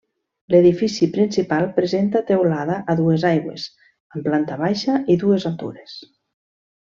L'edifici principal presenta teulada a dues aigües, amb planta baixa i dues altures.